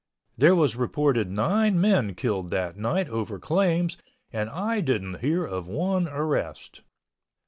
There was reported nine men killed that night over claims and I didn't hear of one arrest.